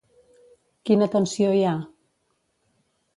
Quina tensió hi ha?